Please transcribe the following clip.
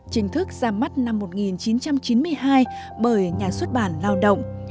chính thức ra mắt năm một nghìn chín trăm chín mươi hai bởi nhà xuất bản lao động